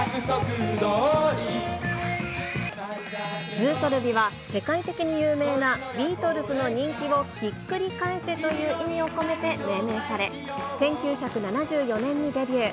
ずうとるびは、世界的に有名なビートルズの人気をひっくり返せという意味を込めて命名され、１９７４年にデビュー。